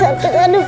aduh sakit aduh